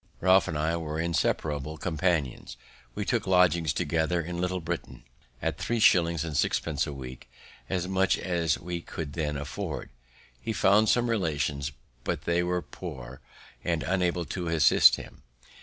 Ralph and I were inseparable companions. We took lodgings together in Little Britain at three shillings and sixpence a week as much as we could then afford. He found some relations, but they were poor, and unable to assist him.